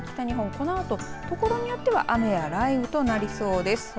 このあとところによっては雨や雷雨となりそうです。